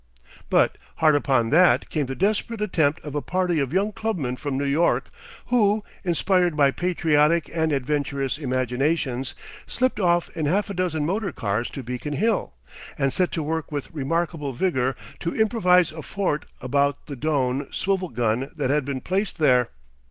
But hard upon that came the desperate attempt of a party of young clubmen from New York, who, inspired by patriotic and adventurous imaginations, slipped off in half a dozen motor cars to Beacon Hill, and set to work with remarkable vigour to improvise a fort about the Doan swivel gun that had been placed there.